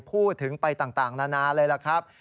พูดถึงไปต่างนานาเลยล่ะครับ